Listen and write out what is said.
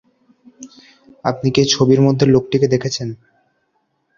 আপনি কি এই ছবির মধ্যের লোকটিকে দেখেছেন?